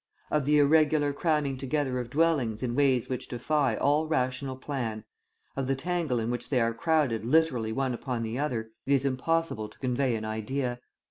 Of the irregular cramming together of dwellings in ways which defy all rational plan, of the tangle in which they are crowded literally one upon the other, it is impossible to convey an idea.